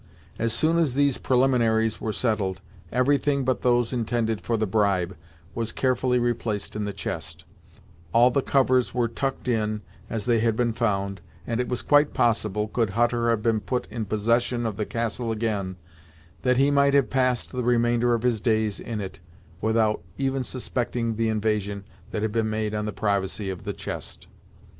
As soon as these preliminaries were settled, everything but those intended for the bribe was carefully replaced in the chest, all the covers were 'tucked in' as they had been found, and it was quite possible, could Hutter have been put in possession of the castle again, that he might have passed the remainder of his days in it without even suspecting the invasion that had been made on the privacy of the chest.